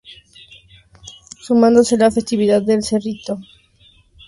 Sumándose la festividad del Cerrito de Cristo Rey en el mes de octubre.